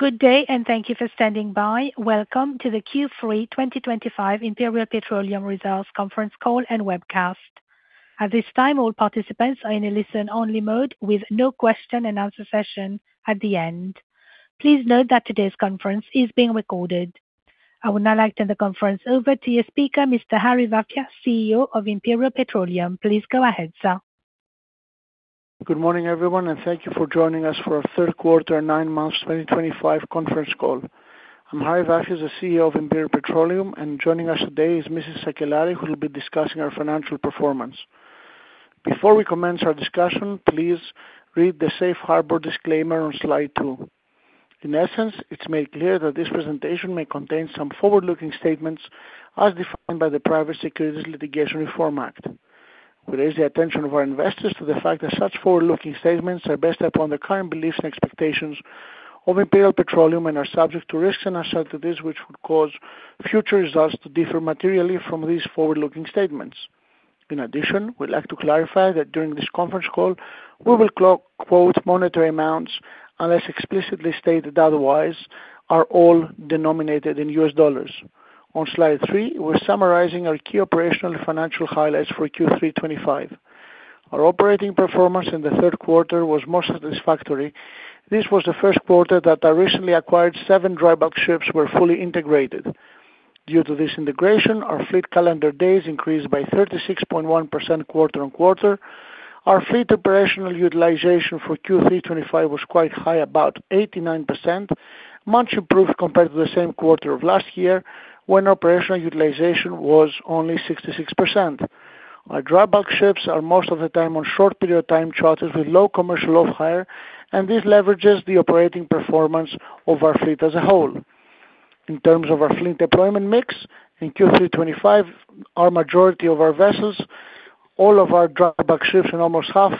Good day, and thank you for standing by. Welcome to the Q3 2025 Imperial Petroleum Results Conference Call and Webcast. At this time, all participants are in a listen-only mode with no question-and-answer session at the end. Please note that today's conference is being recorded. I will now like to turn the conference over to your speaker, Mr. Harry Vafias, CEO of Imperial Petroleum. Please go ahead, sir. Good morning, everyone, and thank you for joining us for our third quarter, nine months 2025 conference call. I'm Harry Vafias, the CEO of Imperial Petroleum, and joining us today is Mrs. Sakellari, who will be discussing our financial performance. Before we commence our discussion, please read the safe harbor disclaimer on slide two. In essence, it's made clear that this presentation may contain some forward-looking statements as defined by the Private Securities Litigation Reform Act. We raise the attention of our investors to the fact that such forward-looking statements are based upon the current beliefs and expectations of Imperial Petroleum and are subject to risks and uncertainties which would cause future results to differ materially from these forward-looking statements. In addition, we'd like to clarify that during this conference call, we will quote monetary amounts, unless explicitly stated otherwise, are all denominated in U.S. dollars. On slide three, we're summarizing our key operational and financial highlights for Q3 2025. Our operating performance in the third quarter was most satisfactory. This was the first quarter that our recently acquired seven dry bulk ships were fully integrated. Due to this integration, our fleet calendar days increased by 36.1% quarter-on-quarter. Our fleet operational utilization for Q3 2025 was quite high, about 89%, much improved compared to the same quarter of last year when operational utilization was only 66%. Our dry bulk ships are most of the time on short period time charters with low commercial off-hire, and this leverages the operating performance of our fleet as a whole. In terms of our fleet deployment mix, in Q3 2025, our majority of our vessels, all of our dry bulk ships, and almost half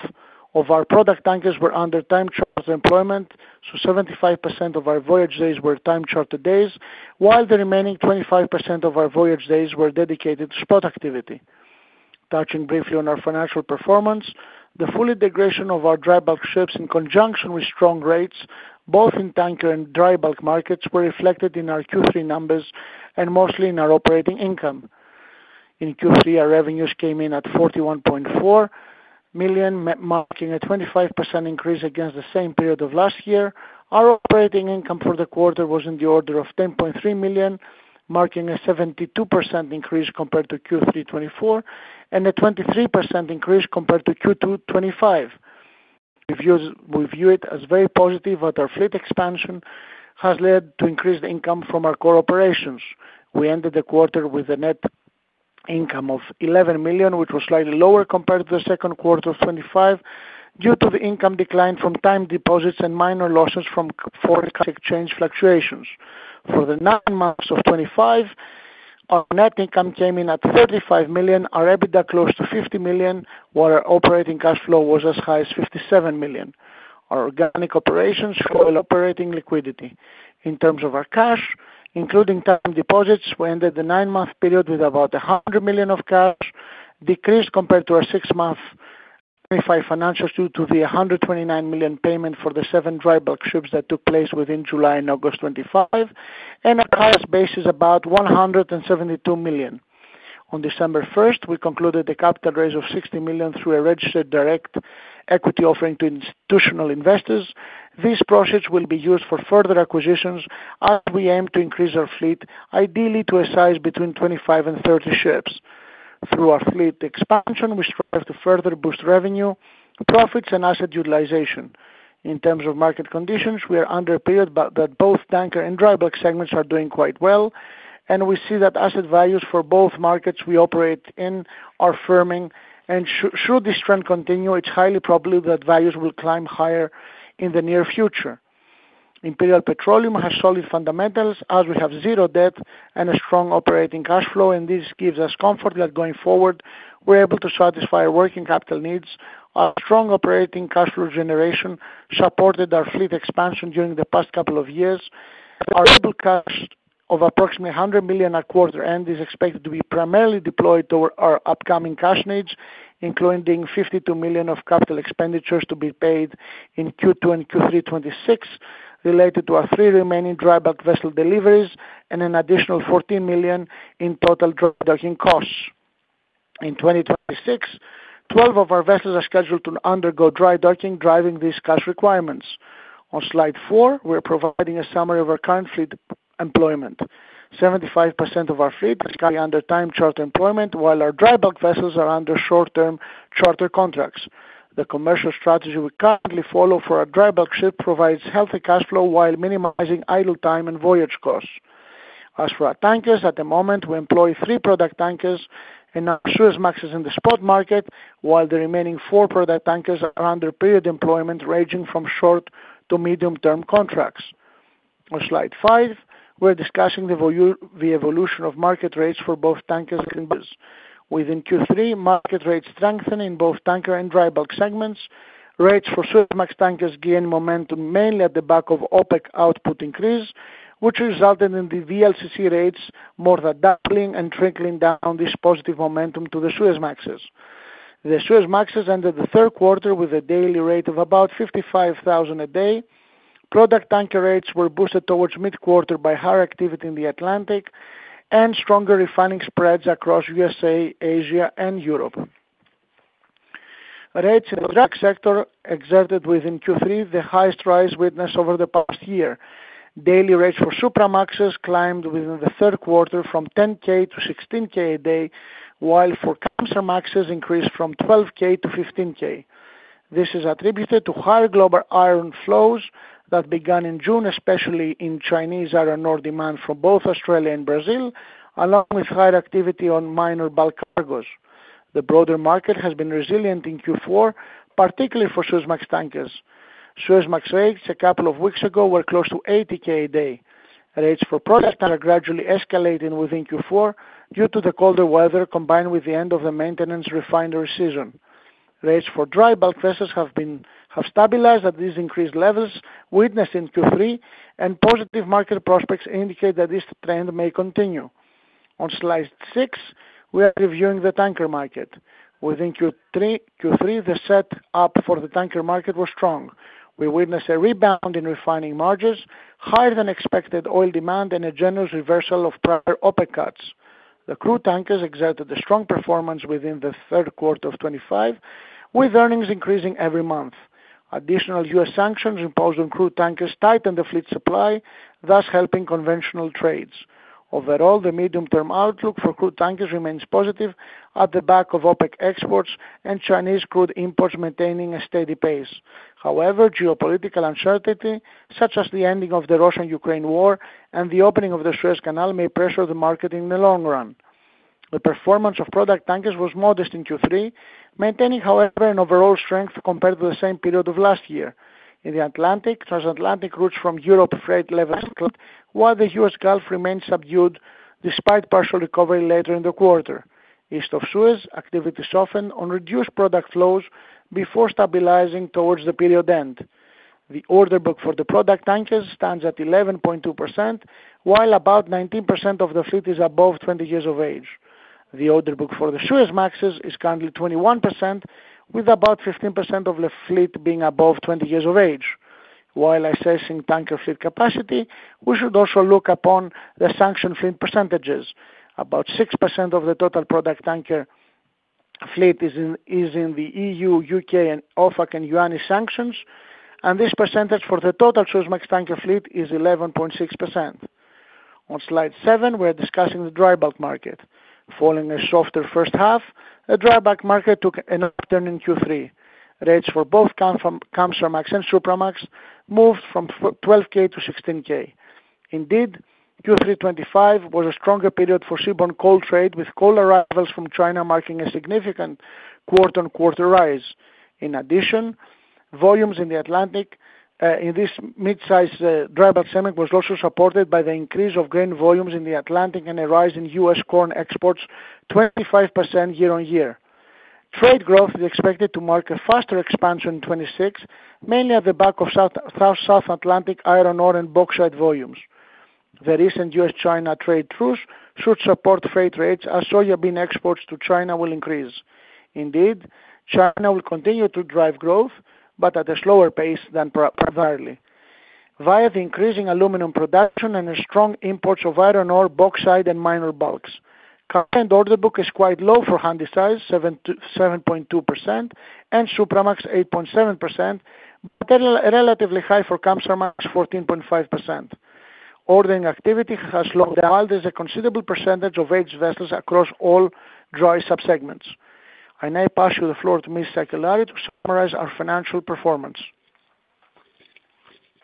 of our product tankers were under time charter employment, so 75% of our voyage days were time charter days, while the remaining 25% of our voyage days were dedicated to spot activity. Touching briefly on our financial performance, the full integration of our dry bulk ships in conjunction with strong rates, both in tanker and dry bulk markets, were reflected in our Q3 numbers and mostly in our operating income. In Q3, our revenues came in at $41.4 million, marking a 25% increase against the same period of last year. Our operating income for the quarter was in the order of $10.3 million, marking a 72% increase compared to Q3 2024 and a 23% increase compared to Q2 2025. We view it as very positive that our fleet expansion has led to increased income from our core operations. We ended the quarter with a net income of $11 million, which was slightly lower compared to the second quarter of 2025 due to the income decline from time deposits and minor losses from foreign exchange fluctuations. For the nine months of 2025, our net income came in at $35 million. Our EBITDA close to $50 million, while our operating cash flow was as high as $57 million. Our organic operations fell. Operating liquidity. In terms of our cash, including time deposits, we ended the nine-month period with about $100 million of cash, decreased compared to our six-month 2025 financials due to the $129 million payment for the seven dry bulk ships that took place within July and August 2025, and our cash base is about $172 million. On December 1st, we concluded a capital raise of $60 million through a registered direct equity offering to institutional investors. These proceeds will be used for further acquisitions as we aim to increase our fleet, ideally to a size between 25 and 30 ships. Through our fleet expansion, we strive to further boost revenue, profits, and asset utilization. In terms of market conditions, we are under a period that both tanker and dry bulk segments are doing quite well, and we see that asset values for both markets we operate in are firming, and should this trend continue, it's highly probable that values will climb higher in the near future. Imperial Petroleum has solid fundamentals as we have zero debt and a strong operating cash flow, and this gives us comfort that going forward, we're able to satisfy our working capital needs. Our strong operating cash flow generation supported our fleet expansion during the past couple of years. Our total cash of approximately $100 million at quarter end is expected to be primarily deployed to our upcoming cash needs, including $52 million of capital expenditures to be paid in Q2 and Q3 2026 related to our three remaining dry bulk vessel deliveries and an additional $14 million in total dry docking costs. In 2026, 12 of our vessels are scheduled to undergo dry docking, driving these cash requirements. On slide four, we're providing a summary of our current fleet employment. 75% of our fleet is currently under time charter employment, while our dry bulk vessels are under short-term charter contracts. The commercial strategy we currently follow for our dry bulk ship provides healthy cash flow while minimizing idle time and voyage costs. As for our tankers, at the moment, we employ three product tankers and our Suezmax is in the spot market, while the remaining four product tankers are under period employment ranging from short to medium-term contracts. On slide five, we're discussing the evolution of market rates for both tankers and vessels. Within Q3, market rates strengthened in both tanker and dry bulk segments. Rates for Suezmax tankers gained momentum mainly at the back of OPEC output increase, which resulted in the VLCC rates more than doubling and trickling down this positive momentum to the Suezmaxes. The Suezmaxes ended the third quarter with a daily rate of about $55,000 a day. Product tanker rates were boosted towards mid-quarter by higher activity in the Atlantic and stronger refining spreads across USA, Asia, and Europe. Rates in the dry bulk sector exerted within Q3 the highest rise witnessed over the past year. Daily rates for Supramaxes climbed within the third quarter from $10,000 to $16,000 a day, while for Kamsarmaxes increased from $12,000 to $15,000. This is attributed to higher global iron flows that began in June, especially in Chinese iron ore demand from both Australia and Brazil, along with higher activity on minor bulk cargoes. The broader market has been resilient in Q4, particularly for Suezmax tankers. Suezmax rates, a couple of weeks ago, were close to $80,000 a day. Rates for product tanker are gradually escalating within Q4 due to the colder weather combined with the end of the maintenance refinery season. Rates for dry bulk vessels have stabilized at these increased levels, witnessing Q3 and positive market prospects indicate that this trend may continue. On slide six, we are reviewing the tanker market. Within Q3, the setup for the tanker market was strong. We witnessed a rebound in refining margins, higher than expected oil demand, and a generous reversal of prior OPEC cuts. The crude tankers exerted a strong performance within the third quarter of 2025, with earnings increasing every month. Additional U.S. sanctions imposed on crude tankers tightened the fleet supply, thus helping conventional trades. Overall, the medium-term outlook for crude tankers remains positive on the back of OPEC exports and Chinese crude imports maintaining a steady pace. However, geopolitical uncertainty, such as the ending of the Russia-Ukraine war and the opening of the Suez Canal, may pressure the market in the long run. The performance of product tankers was modest in Q3, maintaining, however, an overall strength compared to the same period of last year. In the Atlantic, transatlantic routes from Europe, freight levels climbed, while the U.S. Gulf remained subdued despite partial recovery later in the quarter. East of Suez, activity softened on reduced product flows before stabilizing towards the period end. The order book for the product tankers stands at 11.2%, while about 19% of the fleet is above 20 years of age. The order book for the Suezmaxes is currently 21%, with about 15% of the fleet being above 20 years of age. While assessing tanker fleet capacity, we should also look upon the sanctioned fleet percentages. About 6% of the total product tanker fleet is in the E.U., U.K., O, and U.N. sanctions, and this percentage for the total Suezmax tanker fleet is 11.6%. On slide seven, we're discussing the dry bulk market. Following a softer first half, the dry bulk market took an upturn in Q3. Rates for both Kamsarmax and Supramax moved from $12,000 to $16,000. Indeed, Q3 2025 was a stronger period for seaborne coal trade, with coal arrivals from China marking a significant quarter-on-quarter rise. In addition, volumes in this mid-size dry bulk segment were also supported by the increase of grain volumes in the Atlantic and a rise in U.S. corn exports 25% year-on-year. Trade growth is expected to mark a faster expansion in 2026, mainly at the back of South Atlantic iron ore and bauxite volumes. The recent U.S.-China trade truce should support freight rates as soybean exports to China will increase. Indeed, China will continue to drive growth, but at a slower pace than primarily, via the increasing aluminum production and strong imports of iron ore, bauxite, and minor bulks. Current order book is quite low for Handysize, 7.2%, and Supramax, 8.7%, but relatively high for Kamsarmax, 14.5%. Ordering activity has slowed down, while there's a considerable percentage of aged vessels across all dry subsegments. I now pass you the floor to Ms. Sakellari to summarize our financial performance.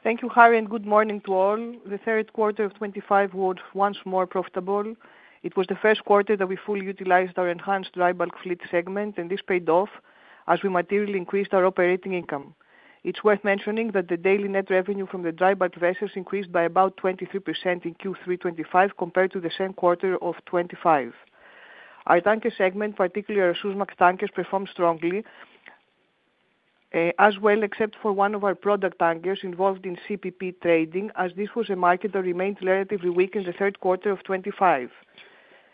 Thank you, Harry, and good morning to all. The third quarter of 2025 was once more profitable. It was the first quarter that we fully utilized our enhanced dry bulk fleet segment, and this paid off as we materially increased our operating income. It's worth mentioning that the daily net revenue from the dry bulk vessels increased by about 23% in Q3 2025 compared to the same quarter of 2024. Our tanker segment, particularly our Suezmax tankers, performed strongly as well, except for one of our product tankers involved in CPP Trading, as this was a market that remained relatively weak in the third quarter of 2025.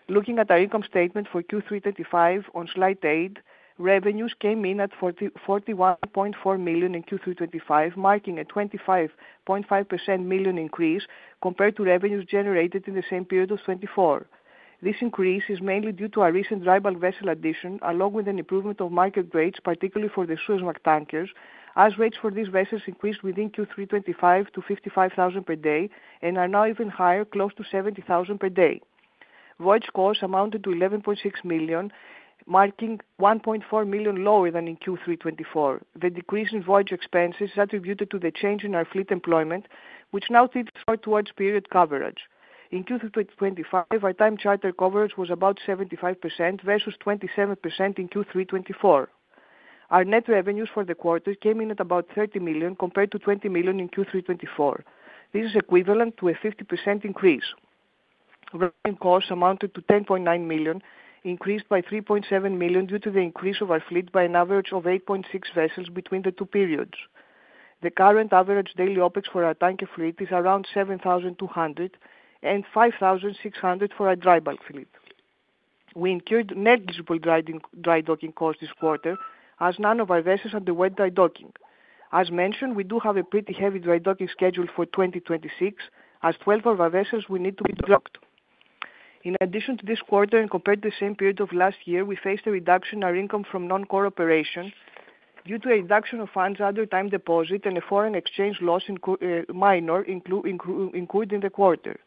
Looking at our income statement for Q3 2025, on slide eight, revenues came in at $41.4 million in Q3 2025, marking a 25.5% increase compared to revenues generated in the same period of 2024. This increase is mainly due to our recent dry bulk vessel addition, along with an improvement of market rates, particularly for the Suezmax tankers, as rates for these vessels increased within Q3 2025 to $55,000 per day and are now even higher, close to $70,000 per day. Voyage costs amounted to $11.6 million, marking $1.4 million lower than in Q3 2024. The decrease in voyage expenses is attributed to the change in our fleet employment, which now tips towards period coverage. In Q3 2025, our time charter coverage was about 75% versus 27% in Q3 2024. Our net revenues for the quarter came in at about $30 million compared to $20 million in Q3 2024. This is equivalent to a 50% increase. Voyage costs amounted to $10.9 million, increased by $3.7 million due to the increase of our fleet by an average of 8.6 vessels between the two periods. The current average daily OpEx for our tanker fleet is around $7,200 and $5,600 for our dry bulk fleet. We incurred negligible dry docking costs this quarter, as none of our vessels underwent dry docking. As mentioned, we do have a pretty heavy dry docking schedule for 2026, as 12 of our vessels will need to be docked. In addition to this quarter, and compared to the same period of last year, we faced a reduction in our income from non-core operations due to a reduction of funds under time deposit and a minor foreign exchange loss incurred in the quarter.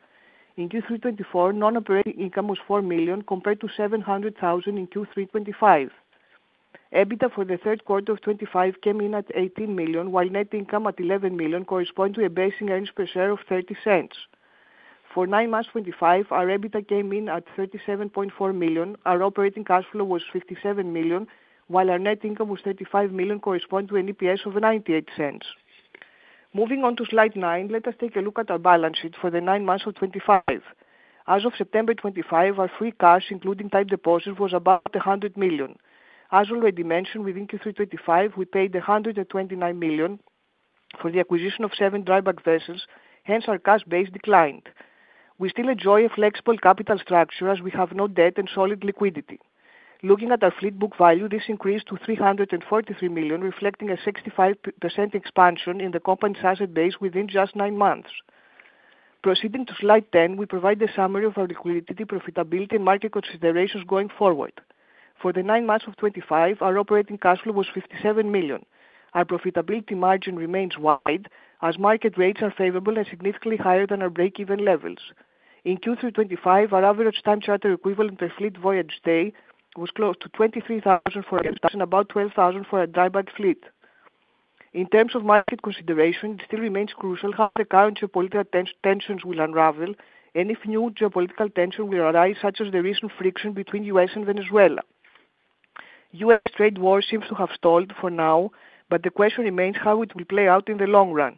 In Q3 2024, non-operating income was $4 million compared to $700,000 in Q3 2025. EBITDA for the third quarter of 2025 came in at $18 million, while net income at $11 million corresponded to a basic earnings per share of $0.30. For nine months 2025, our EBITDA came in at $37.4 million. Our operating cash flow was $57 million, while our net income was $35 million, corresponding to an EPS of $0.98. Moving on to slide nine, let us take a look at our balance sheet for the nine months of 2025. As of September 2025, our free cash, including time deposits, was about $100 million. As already mentioned, within Q3 2025, we paid $129 million for the acquisition of seven dry bulk vessels. Hence, our cash base declined. We still enjoy a flexible capital structure as we have no debt and solid liquidity. Looking at our fleet book value, this increased to $343 million, reflecting a 65% expansion in the company's asset base within just nine months. Proceeding to slide 10, we provide the summary of our liquidity, profitability, and market considerations going forward. For the nine months of 2025, our operating cash flow was $57 million. Our profitability margin remains wide as market rates are favorable and significantly higher than our break-even levels. In Q3 2025, our average time charter equivalent per fleet voyage day was close to $23,000 for a vessel and about $12,000 for a dry bulk fleet. In terms of market consideration, it still remains crucial how the current geopolitical tensions will unravel and if new geopolitical tensions will arise, such as the recent friction between the U.S. and Venezuela. U.S. trade war seems to have stalled for now, but the question remains how it will play out in the long run.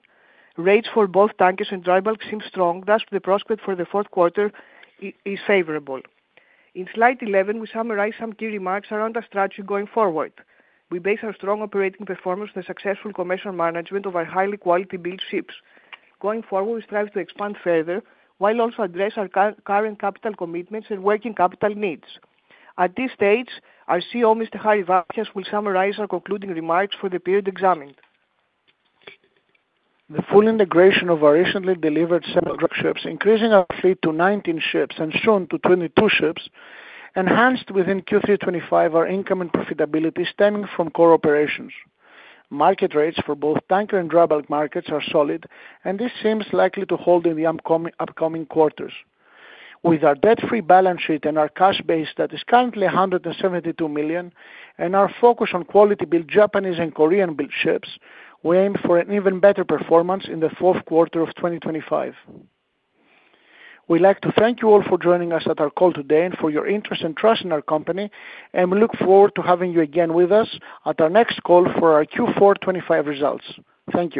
Rates for both tankers and dry bulk seem strong. Thus, the prospect for the fourth quarter is favorable. In Slide 11, we summarize some key remarks around our strategy going forward. We base our strong operating performance on the successful commercial management of our highly quality-built ships. Going forward, we strive to expand further, while also addressing our current capital commitments and working capital needs. At this stage, our CEO, Mr. Harry Vafias, will summarize our concluding remarks for the period examined. The full integration of our recently delivered seven dry bulk ships, increasing our fleet to 19 ships and soon to 22 ships, enhanced within Q3 2025 our income and profitability stemming from core operations. Market rates for both tanker and dry bulk markets are solid, and this seems likely to hold in the upcoming quarters. With our debt-free balance sheet and our cash base that is currently $172 million and our focus on quality-built Japanese and Korean-built ships, we aim for an even better performance in the fourth quarter of 2025. We'd like to thank you all for joining us at our call today and for your interest and trust in our company, and we look forward to having you again with us at our next call for our Q4 2025 results. Thank you.